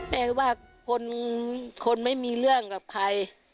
แต่ว่าคนไม่มีเรื่องกับใคร